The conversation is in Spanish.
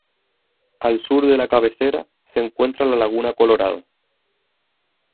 Al sur de la cabecera se encuentra la Laguna Colorada.